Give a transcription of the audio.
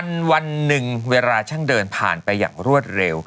วันหนึ่งเวลาช่างเดินผ่านไปอย่างรวดเร็ว